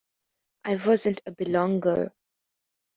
I wasn't a belonger.